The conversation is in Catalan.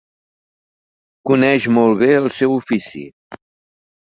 Coneix molt bé el seu ofici.